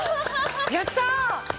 やった！